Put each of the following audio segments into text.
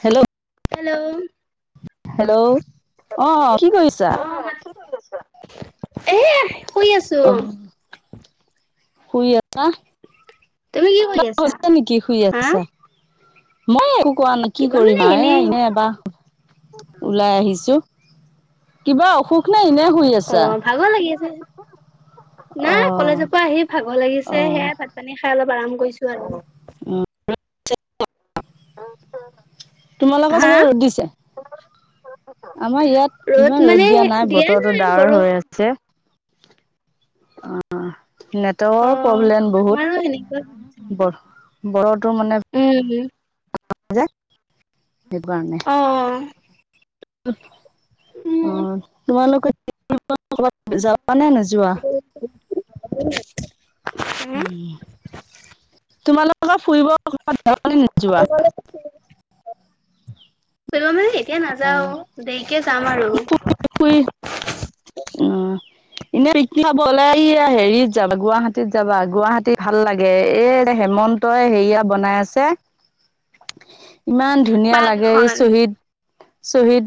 Hello hello hello, অ', কি কৰিছা? এই শুই অ আছোঁ। শুই আছা তুমি কি কৰি কিবা আছা হৈছে নেকি শুই হা? আছা মই কোৱা নাই কি কিবা মানে কৰিম আৰু, এ, এনেই এনে এবাৰ ওলাই আহিছোঁ কিবা অসুখ নে? ইনে অ', ভাগৰ লাগি আছে অ নাই কলেজৰ পৰা আহি ভাগৰ লাগিছে, অ সেয়াই ভাত পানী খাই অলপ আৰাম কৰিছোঁ আৰু তোমালোকৰ হা চাগে ৰ'দ দিছে, আমাৰ ইয়াত ইমান ৰ'দ মানে দিয়া নাই, বতৰতো নাই ডাৱৰ বৰষু হৈ আছে। অ নেটৱৰ্কৰ অ' প্ৰব্লেম বহুত। আমাৰো সেনেকুৱা বৰ ব্ৰড [unintelligible] উম। জাত। [unintelligible] সেইকাৰণে। অ' [unintelligible] উম। অ তোমালোকত যাৱ নে নোযোৱা? [unintelligible] তোমালোকৰ ফুৰিব ক'ৰবাত যাবানে নোযোৱা [unintelligible] এতিয়া নাযাও দেৰি যাম আৰু ফুৰি উম এনে বলে এই হেৰিত যাবা গুৱাহাটীত যাবা গুৱাহাটীত ভাল লাগে। এ এ হেমন্তই হেৰিয়া বনাই আছে ইমান ধুনীয়া পাৰ্ক লাগে, এখন এই চহীদ শহীদ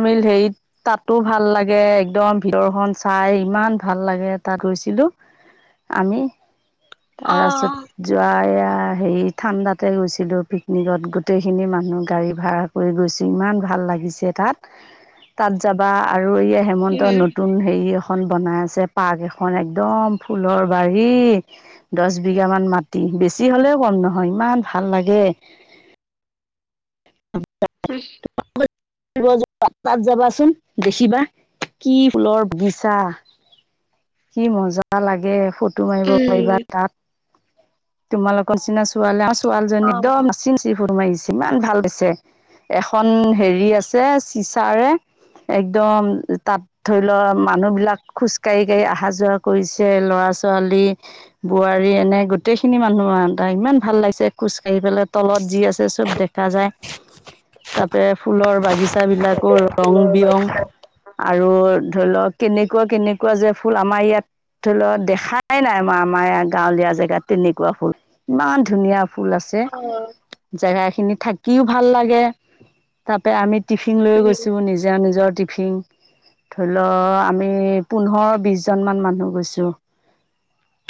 হেৰিত তাতো ভাল লাগে একদম ভিতৰখন চাই ইমান ভাল লাগে। তাত গৰুইছিলো আমি আছে অ'। জাই [unintelligible] হেৰি ঠাণ্ডাতে গৈছিলোঁ পিকনিকত, গোটেইখিনি মানুহ গাড়ী ভাড়া কৰি গৈছোঁ। ইমান ভাল লাগিছে তাত তাত যাবা আৰু আৰু এয়া হেমন্ত উম নতুন হেৰি এখন এখন বনাই আছে, পাৰ্ক এখন একদম ফুলৰ বাৰী। দহ বিঘা মান মাটি বেছি হ'লেও কম নহয় ইমান ভাল লাগে অ উম তাত যাবাচোন দেখিবা, কি ফুলৰ বাগিচা, কি মজা লাগে ফু ফটো মাৰিব উম পাৰিবা তাত। তোমালকৰ নিচিনা ছো চাল ছোৱালজনী [unintelligible] অ' একদম চিনি ফুৰমাইছে ইমান ভাল হৈছে। এখন হেৰি আছে চিচাৰে একদম তাত ধৰি লোৱা মানুহ বিলাক খোজ কাঢ়ি কাঢ়ি অহা-যোৱা কৰিছে, লৰা ছোৱালী বোৱাৰী এনে গো গোটেইখিনি মানুহ আহ ত ইমান ভাল লাগিছে খোজ কাঢ়ি পেলাই তলত যি আছে চব দেখা যায়। তাৰাপে ফুলৰ বাগিচা বিলাকো ৰং বিৰং আৰু ধৰি লওক কেনেকুৱা কেনেকুৱা যে ফুল আমাৰ ইয়াত ধৰিলোৱা দেখাই নাই আমাৰ আমাৰ ই গাঁৱলীয়া জেগাত তেনেকুৱা ফুল ইমান ধুনীয়া ফুল আছে। অ' জেগা খিনি থাকিও ভাল লাগে ত আমি টিফিন লৈ উম। গৈছো নিজৰ- নিজৰ। টিফিন, ধৰি লও আমি পোন্ধৰ বিশ জন মান মানুহ গৈছো।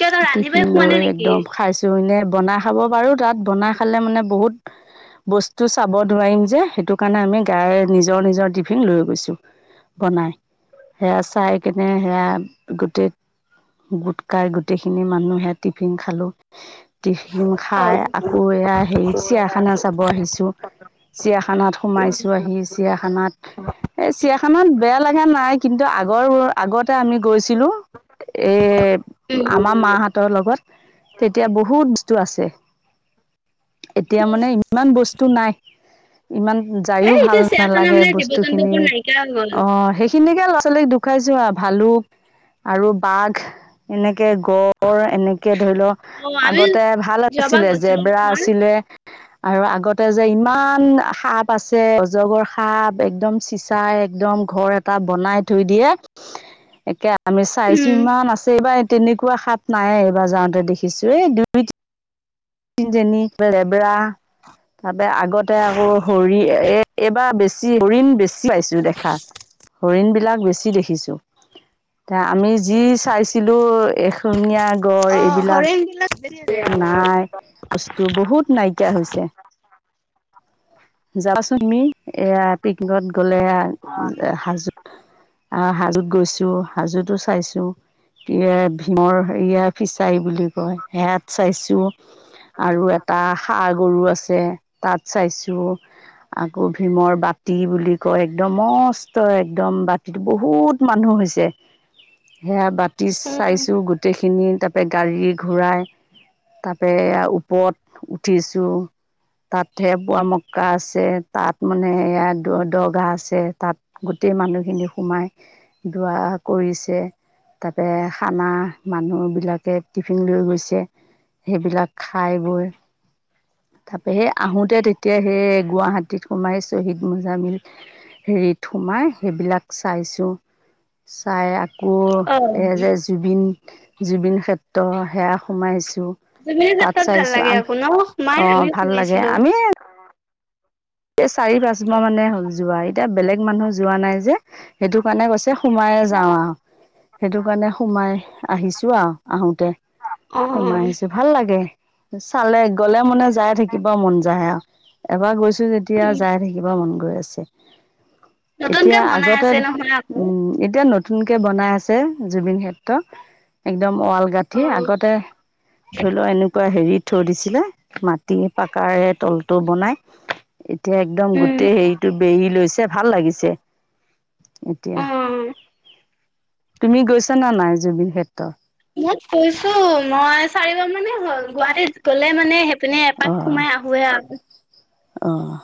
কিয় তই ৰান্ধিবাই খোৱা নাই নেকি? একদম খাইছো এনে [inaudible] বনাই খাব পাৰো তাত বনাই খালে মানে বহুত বস্তু চাব নোৱাৰিম যে সেইটো কাৰণে আমি গাই নিজৰ নিজৰ টিফিন লৈ গৈছো বনাই সেয়া চাই কেনে সেয়া গোটেই গুটকাই গোটেইখিনি মানুহ সে টিফিন টিফিন খালোঁ। টিফিন অ খাই আকৌ এয়া হেৰিত চিৰিয়াখানা চাব আহিছো, চিৰিয়াখানাত সোমাইছো আহি চিৰিয়াখানাত এই চিৰিয়াখানাত বেয়া লগা নাই। কিন্তু আগৰ আগত আমি গৈছিলো এ' উম। আমাৰ মাহতৰ লগত। তেতিয়া বহুত বস্তু আছে। এতিয়া মানে ইমান বস্তু নাই। ইমান যায়ও এই ভাল এতিয়া চিৰিয়াখানা নালাগে মানে জীৱ বস্তু খিনি জন্তুবোৰ নাইকিয়া হৈ গ'ল। অ সেইখিনিকে ল ছোৱলীক দোখাইছো যোৱা ভালুক আৰু বাঘ এনেক একে গড় এনেক ধৰি লও অ আমি আগতে ভাল যোৱাবাৰ আছিলে গৈছিলো জেবৰা নহয়। আছিলে আৰু আগতে যে ইমান সাপ আছে অজগৰ সাপ একদম চিচাই একদম ঘৰ এটা বনাই থৈ দিয়ে একে আমি চাইছো উম। ইমান আছে এইবাৰ তেনেকুৱা সাপ নাইয়ে কিবা যাওঁতে দেখিছোৱে [unintelligible] তিনিজনী লেবৰা ভাবে আগতে আকৌ হৰি এ এইবাৰ বেছ ছি হৰিণ বেছ ছি পাইছো দেখা হৰিণবিলাক বেছি দেখিছোঁ তা আমি যি ছাইছিলো এশিঙীয়া গঁড় অ এইবিলাক হৰিণ বিলাক বেছি আছে। নাই বস্তু বহুত নাইকিয়া হৈছে যাবাচোন তুমি এয়া পিকনিকত গ'লে হাজোত আহ হাজোত গৈছো হাজোতো চাইছো ভীমৰ হেয়া ফিচাৰী বুলি কয় সেয়াত চাইছো আৰু এটা সাৰ গৰু আছে তাত চাইছো আকৌ ভীমৰ বাতি বুলি কয় একদম মস্ত একদম বাতিতো বহুত মানুহ হৈছে সেয়া বা টিছ উম চাইছোঁ গোটেইখিনি তাৰ পে গাড়ী ঘোৰাই, তাৰপে এ ওপৰত উঠিছো তাতহে পোৱা মক্কা আছে তাত মানে এয়াৰ দ দৰগ আছে তাত গোটেই মানুহ এটো সোমাই দোৱা কৰিছে। তাতে খানা মানুহবিলাকে টিফিন লৈ গৈছে। সেইবিলাক খাই বৈ তাৰপা সেই আহোতে তেতিয়া সেই গুৱাহাটীত সোমাই শহীদ মোজামিল হেৰিত সোমাই সেইবিলাক চাইছো চাই কৈ অ এ, যে, জুবিন জুবিন ক্ষেত্ৰ সেয়া সোমাইচ জুবিন ক্ষেত্ৰত ভাল লাগে আকৌ ন' সোমাই অঁ আমিও ভাল লাগে সোমাইছিলোঁ, আমি অ'। চাৰি, পাঁচ মাহ মানে হ'ল যোৱা এতিয়া বেলেগ মানুহ যোৱা নাই যে, সেইটো কাৰণে গৈছ সোমায়ে যাওঁ আৰু সেইটো কাৰণে সোমাই আহিছোঁ আৰু আহো তে, অ সোমাই আহিছোঁ ভাল লাগে। চালে, গ'লে মানে যায় থাকিব মন যায় আৰু, এবাৰ গৈছোঁ যে তিয়া উম যায় থাকিব গৈ আছে। নতুনকে এতিয়া বনাই আগতে আছে নহয় আকৌ উম, এতিয়া ন নতুনকে বনাই আছে, জুবিন ক্ষেত্ৰ এক একদম ৱাল গাঁঠি, অ আগতে ধৰি লওঁ এনেকুৱা হেৰিত থৈ দিছিলে, মাটি পকাৰে তলটো বনাই এতিয়া একদম উম। গোটেই হেৰিটো বেৰি লৈছ ভাল লাগিছে। এতিয়া অ তুমি গৈছা না নাই জুবিন ক্ষেত্ৰ? মই গৈছো, মই চাৰিবাৰ মানে গুৱাহাটীত গ'লে মানে পিনে অ এপাক সোমাই আহোৱে আৰু। অ'।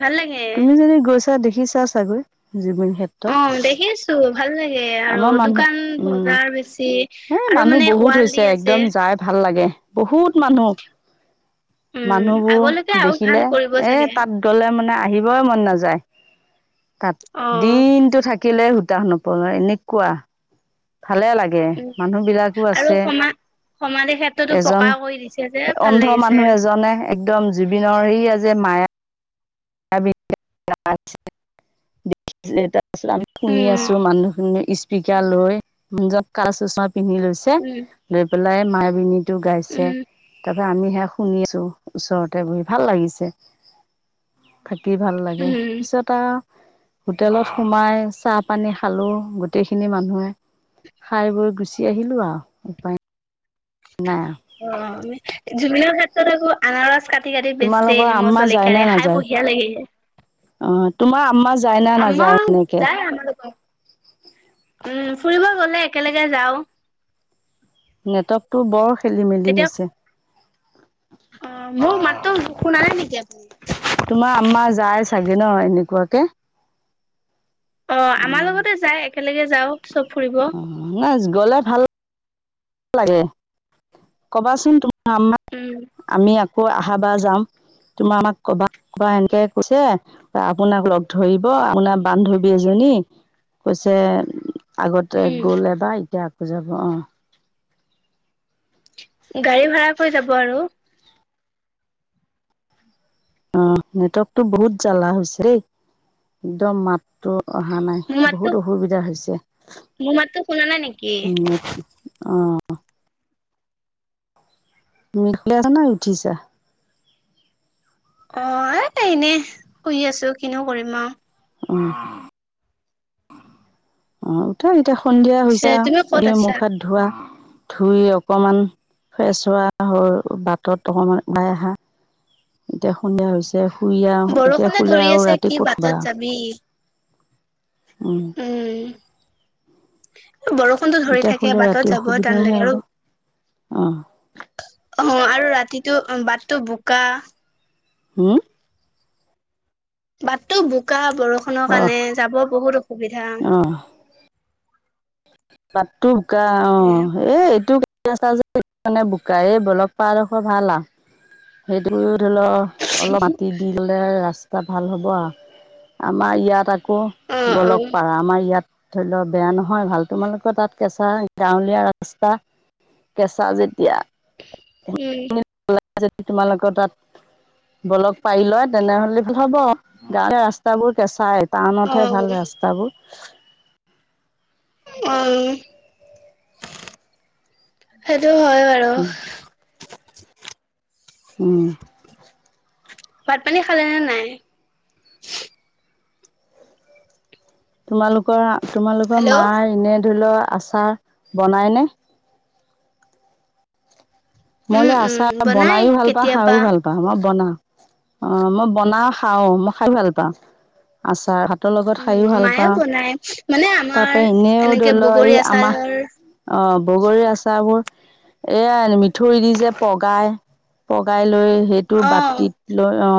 ভাল লাগে। া দেখিছা চাগৈ। জুবিন ক্ষেত্ৰ। অ দেখিছো ভাল লাগে আৰু আমাৰ মানুহ দোকান উম বজাৰ বেছি, এ আৰু মানুহ মানে বহুত ৱাল হৈছে দি আছে। একদম যাই ভাল লাগে বহুত মানুহ। উম মানুহবোৰ আগলৈকে আৰু ভাল দেখিলে কৰিব এ চাগে তাত গলে মানে আহিবই মন নাযায়। তাত অ দিনতটো থাক থাকিলে সূতা নপলাই এনে কোৱা। ভালে লাগে, উম মানুহ বিলাকো আৰু আছে, সমা সমাধি ক্ষেত্ৰতো এজন পকা কৰি দিছে যে ভাল অন্ধ লাগিছে মানুহ এজনে একদম জুবিনৰ এয়া জে মায়া দ [unintelligible] আমি শুনি উম আছো মানুহখিনিক ইস্পিকাৰ লৈ [unintelligible] পিন্ধি লৈছে, উম লৈ পেলাই মায়াবিনী টো, গাইছে উম তা আমি সেয়া শুনিছোঁ ওচৰতে বহি ভাল লাগিছে, থাকি ভাল [unintelligible] উম পিছত আৰু হোটেলত সোমাই চাহ, পানী খালোঁ গোটেইখিনি মানুহে, খাই বৈ, গুচি আহিলোঁ আৰু উপায় নাই আৰু অ', জুবিনৰ ক্ষে [unintelligible] আনাৰস কাট কাটি, কাটি বেচে তোমালোকৰ নিমখ আম্মা যায় নে জলকীয়াৰে খায় নাযায় বঢ়িয়া লাগে। অ তোমাৰ আম্মা যায় না আম্মা নাযায় এনেকে যায় আমাৰ লগত উম, ফুৰিব গ'লে একেলগে যাওঁ। নেটৱৰ্কটো বৰ খেলি মেলি তেতিয়া হৈছে। অ', মোৰ মাততো শুনা নাই নেকি আপুনি? তোমাৰ আম্মা যায় চাগে ন' এনেকুৱাকে। অ', আমাৰ লগতে যায় এক কেলগে যাওঁ, চব ফুৰিব। অ নাই গ'লে ভাল লাগে, কবাচোন তুম আম্মাক, উম আমি কয় আহাবাৰ যাম, তোমাৰ আম্মাক কবা [unintelligible] এনেকে কৈছে, আপোনাক লগ ধৰিব, আপোনাৰ বান্ধৱী এজনী, কৈছে আগতে উম গ'ল এবাৰ, এতিয়া আক যাব অ'। গাড়ী ভাড়া কৰি যাব আৰু? অ, নেটৱৰ্কটো বহুত জ্বালা হৈছে দেই, একদম মাতটো অহা নাই, মোৰ মাততো বহুত অসুবিধা হৈছে। মোৰ মাততো শুনা নাই নেকি নেট, অ' [inaudible] তুমি শুই আছানে উঠিছা? অ', এ এনেই, শুই আছোঁ, কিনো কৰিম আৰু [inaudible] [inaudible] সন্ধিয়া পিছে হৈছে তুমি আৰু ক'ত দি আছা মুখ হাত ধোৱা। ধুই অকমান ফ্ৰেছ হোৱা বাটত অকমান ওলাই আহা এতিয়া। সন্ধিয়া হৈছে শুই আহ এতিয়া বৰষুণে শুলে ধৰি আৰু আছে ৰাতি কি ক'ত শুবা। বাটত যাবি উম [unintelligible] বৰষুণতো ধৰি এতিয়া থাকে শুলে বাটত ৰাতি যাব টান অসুবিধাহে লাগে আৰু। হ'ব অ অ আৰু ৰাতিটো বাটটো বোকা হম বাটটো বোকা বৰষুণৰ অ কাৰণে যাব বহুত অসুবিধা। অ বাটটো অ এ এইটো যে মানে বোকাই বলক পাডোখৰ ভাল আৰু সেইটো ধৰি লও অলপ মাটি দি গলে ৰাস্ত ভাল হ'ব আৰু আমাৰ ইয়াত কু অ অ গলক পাৰা আমাৰ ইয়াত ধৰি লোৱা বেয়া নহয় ভাল তোমালোকৰ তাত কেঁচা গাঁৱলীয়া ৰাস্তা কেঁচা যেতিয়া উম, যদি তোমালোকৰ তাত ব্লক পাৰি লয় তেনেহলে ভাল হ'ব গাঁৱ ৰাস্তাাবোৰ কেঁচাই। অ টাউনতহে ভাল ৰাস্তাবোৰ। [inaudible] উম, হে সেইটো হয় বাৰু। উম, ভাত পানী খালেনেে নাই? তোমালোক তোমাজলোকৰ হেল্ল'। মা এনে লৰ আচাৰ বনাই নে? উম, মলে উম, আচাৰ বনাই বনাইও ভাল পা খাইও কেতিয়াবা ভাল পাওঁ মই বনাম অ, মই বনাও খাও মই খাই ভাল পাওঁ আচাৰ হ ৰ লগত খাইও উম, ভাল মায়েও পাওঁ বনাই মানে তাৰ আমাৰ পৰাৰা এনেও এনেকে ধৰি লও বগৰী এই আমাহ আচাৰৰ অ বগৰীৰ আচাৰ বোৰ এ হ ন মিঠি থৈ দি যে পগাই পগাই লৈ সেইটো অ', বাতিত লৈ অ।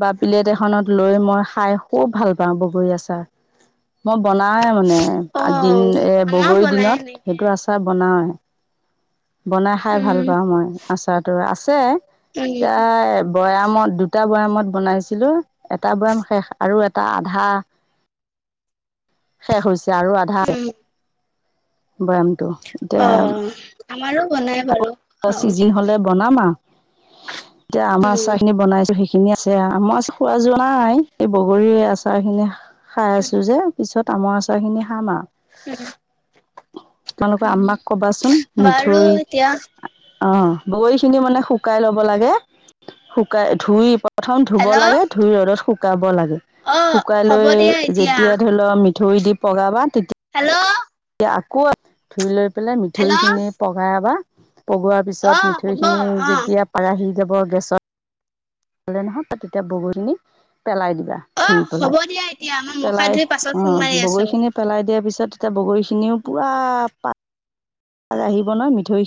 বা প্লেট এখনত লৈ মই খাই খুব ভাল পাওঁ বগৰী আচাৰ মই বনায় মানে দিন অ', এই আমাৰো বগৰীৰ বনাই দিনত এনেকে সেইটো আচাৰ বনাওঁ। বনাই খাই ভাল উম, পাওঁ মই আচাৰতটো আছে উম, এাই বৈয়ামত দুটা বয়ামত বনাইছিলো এটা বয়াম শেষ আৰু এটা আধা শে হৈছে। আৰু আধা উম, বয়ামটো এতিয়া অ', আমাৰো বনাই বাৰু খাওঁ চিজিন হ'লে বনামা এতিয়া আমৰ উম, আচাৰ খিনি বনাইছো শ খিনি আছে আমাৰ খোৱা যোৱা নাই এই বগৰীৰ আচাৰখিনি খাই আছো যে পিছত আমৰ আচাৰ খিনি খাম আৰু। উম। তোমালোকে উম, আম্মাক কবাচোন বাৰু মিঠৈ এতিয়া অ বগৰীখিনি মানে শুকাই লব লাগে শুকাই ধুই প্ৰথম ধুব হেল্ল' লাগে ধুই ৰ'দত শু গাব লাগে। অ', শুকাই হ'ব লৈ দিয়া এতিয়া যেতিয়া ধৰি লও মি ধুই দি পগাবা। তেতিয়া হেল্ল' আকৌ ধুই লৈ পেলাই মিঠৈ হেল্ল' খিনি পগাবা পগোৱাৰ পিছত অ', হ'ব মিঠৈখিনি অ', যেতিয়া পাৰাহী জৱৰ গেছত পে নহয় তাত তেতিয়া বগৰিনী পেলাই দিবা ধুই অ', পেলাই, হ'ব দিয়া এতিয়া মই মুখ হাত পেলাই ধুই পাছত অ ফোন মাৰি আছোঁ। বগৰীখিনি পেলাই দিয়া পিছত এতিয়া বগৰিখিনি এনেও‌ পোৰা পা। কালে আহিব ন মিঠৈ।